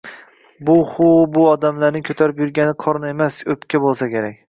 Bu-hu, bu odamning ko`tarib yurgani qorin emas, o`pka bo`lsa kerak